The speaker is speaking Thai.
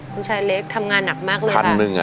คุณชายเล็กทำงานหนักมากเลยวันหนึ่ง